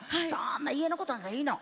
家のことなんていいの。